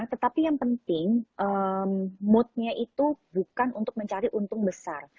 tetapi yang penting moodnya itu bukan untuk mencari untung besar